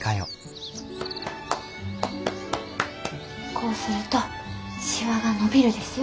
こうするとしわが伸びるですよ。